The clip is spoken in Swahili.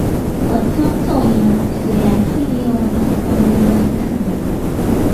watoto wenye matatizo ya akili wanapaswa kuangaliwa sana